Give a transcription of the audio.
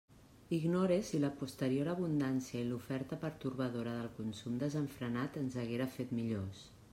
Ignore si la posterior abundància i l'oferta pertorbadora del consum desenfrenat ens haguera fet millors.